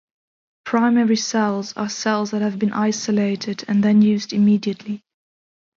Primary cells are cells that have been isolated and then used immediately.